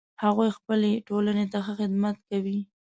هغوی خپلې ټولنې ته ښه خدمت کوي